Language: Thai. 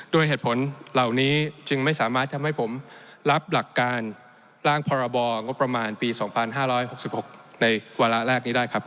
ด้วยเหตุผลเหล่านี้จึงไม่สามารถทำให้ผมรับหลักการร่างพรบงบประมาณปี๒๕๖๖ในวาระแรกนี้ได้ครับ